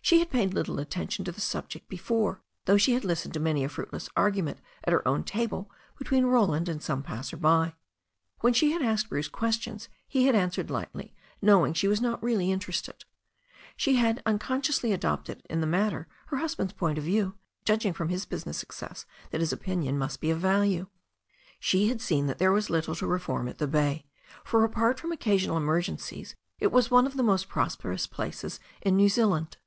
She had paid little attention to the SMb\^^l Vi^ 392 THE STORY OP A NEW ZEALAND RIVER fore, though she had listened to many a fruitless argument at her own table between Roland and some passer by. When she had asked Bruce questions, he had answered lightly, knowing she was not really interested. She had uncon sciously adopted in the matter her husband's point of view, judging from his business success that his opinion must be of value. She had seen that there was little to reform at the bay, for apart from occasional emergencies it was one of the most prosperous places in New Zealand.